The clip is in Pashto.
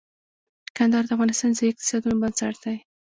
کندهار د افغانستان د ځایي اقتصادونو بنسټ دی.